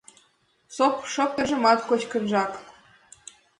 Шоптыржымат кочкынжак